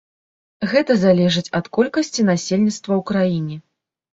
Гэта залежыць ад колькасці насельніцтва ў краіне.